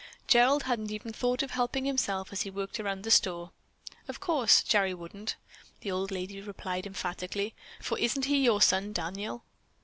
"Gerald hadn't even thought of helping himself as he worked around the store." "Of course, Gerry wouldn't," the old lady replied emphatically, "for isn't he your son, Daniel?"